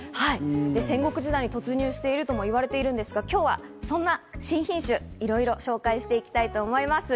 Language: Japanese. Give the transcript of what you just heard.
戦国時代に突入しているとも言われているんですが、今日はそんな新品種、いろいろ紹介していきたいと思います。